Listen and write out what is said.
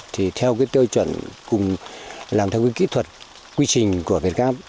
thì theo cái tiêu chuẩn cùng làm theo cái kỹ thuật quy trình của việt nam